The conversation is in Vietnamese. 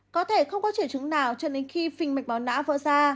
có thể không có triệu chứng nào cho đến khi phình mạch máu não vỡ ra